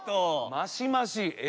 マシマシ？え！